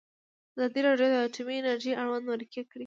ازادي راډیو د اټومي انرژي اړوند مرکې کړي.